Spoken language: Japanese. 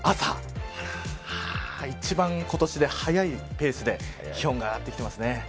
一番、今年で早いペースで気温が上がってきてますね。